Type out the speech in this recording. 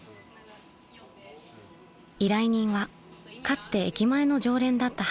［依頼人はかつて駅前の常連だった］